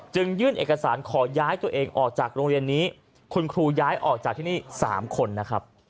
ยื่นเอกสารขอย้ายตัวเองออกจากโรงเรียนนี้คุณครูย้ายออกจากที่นี่๓คนนะครับ